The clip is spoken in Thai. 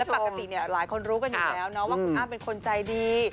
ปกติหลายคนรู้กันอยู่แล้วนะว่าคุณอ้ำเป็นคนใจดี